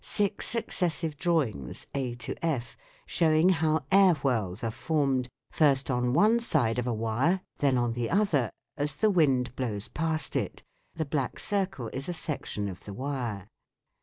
Six successive drawings, a to/, showing how air whirls are formed, first on one side of a wire, then on the other, as the wind blows past it. The black circle is a section of the wire.